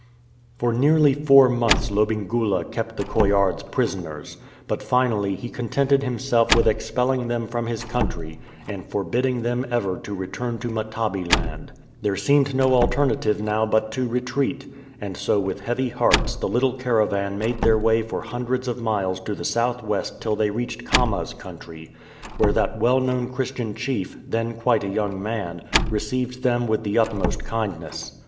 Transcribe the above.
For nearly four months Lobengula kept the Coillards prisoners, but finally he contented himself with expelling them from his country, and forbidding them ever to re turn to Matabeleland. There seemed no alternative now but to retreat, and so with heavy hearts the little caravan made their way for hundreds of miles to the south west till they reached Khama''s country, where that well known Christian chief, then quite a young man, received them with the utmost kindness.